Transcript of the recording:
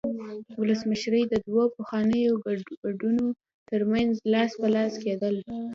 ولسمشري د دوو پخوانیو ګوندونو ترمنځ لاس په لاس کېدل.